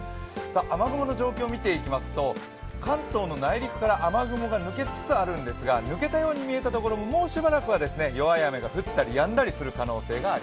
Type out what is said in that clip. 雨雲の状況を見ていきますと関東の内陸から雨雲が抜けつつあるんですが、抜けたように見えたところももうしばらく弱い雨が降るところがあります。